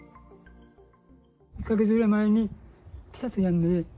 １か月ぐらい前に、ぴたっとやんでね。